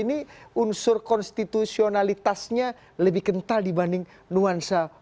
nanti kita lihatlah perkembangannya